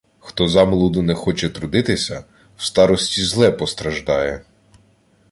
Хто замолоду не хоче трудитися, в старості зле постраждає.